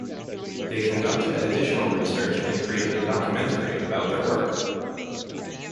They conducted additional research and created a documentary about their work.